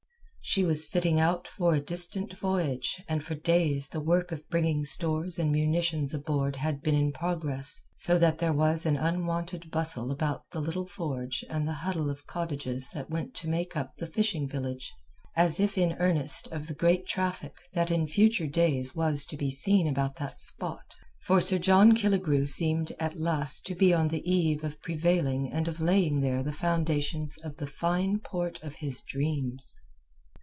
She was fitting out for a distant voyage and for days the work of bringing stores and munitions aboard had been in progress, so that there was an unwonted bustle about the little forge and the huddle of cottages that went to make up the fishing village, as if in earnest of the great traffic that in future days was to be seen about that spot. For Sir John Killigrew seemed at last to be on the eve of prevailing and of laying there the foundations of the fine port of his dreams.